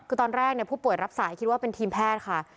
คือตอนแรกผู้ป่วยรับสายคิดว่าเป็นทีมแพทย์ค่ะ